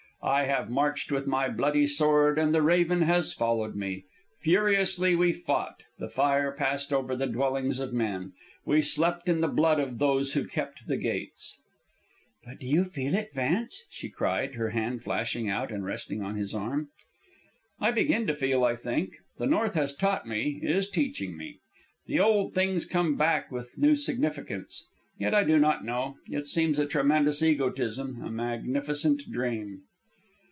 'I have marched with my bloody sword, and the raven has followed me. Furiously we fought; the fire passed over the dwellings of men; we slept in the blood of those who kept the gates_.'" "But do you feel it, Vance?" she cried, her hand flashing out and resting on his arm. "I begin to feel, I think. The north has taught me, is teaching me. The old thing's come back with new significance. Yet I do not know. It seems a tremendous egotism, a magnificent dream."